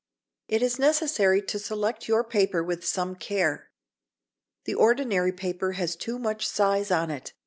It is necessary to select your paper with some care. The ordinary paper has too much size on it.